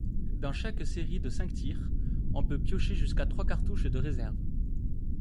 Dans chaque série de cinq tirs, on peut piocher jusqu’à trois cartouches de réserve.